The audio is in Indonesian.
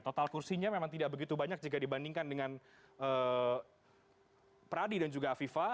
total kursinya memang tidak begitu banyak jika dibandingkan dengan pradi dan juga afifah